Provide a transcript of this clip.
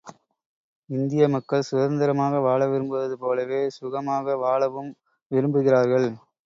இந்திய மக்கள் சுதந்திரமாக வாழ விரும்புவது போலவே சுகமாக வாழவும் விரும்புகிறார்கள்.